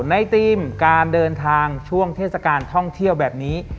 ในทีมการเดินทางช่วงเทศกาลท่องเที่ยวแบบนี้